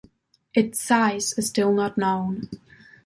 Its size is still not known.